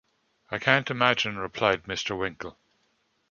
‘I can’t imagine,’ replied Mr. Winkle.